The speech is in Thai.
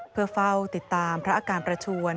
เพื่อเฝ้าติดตามพระอาการประชวน